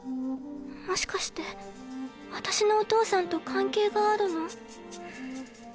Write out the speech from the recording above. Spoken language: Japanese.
もしかして私のお父さんと関係があるの？